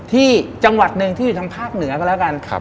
ที่จังหวัดหนึ่งที่อยู่ทางภาคเหนือก็แล้วกัน